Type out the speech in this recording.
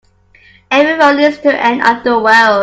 Every road leads to the end of the world.